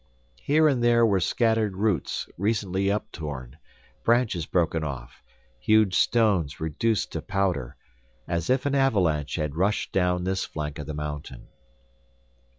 Here and there were scattered roots recently uptorn, branches broken off, huge stones reduced to powder, as if an avalanche had rushed down this flank of the mountain.